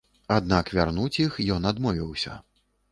Аднак вярнуць іх ён адмовіўся.